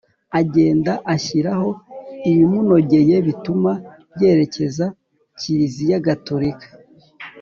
agenda ashyiraho ibimunogeye bituma yerekeza Kiriziya gatorika